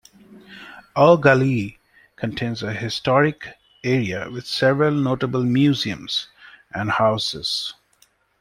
Eau Gallie contains a historic area with several notable museums and houses.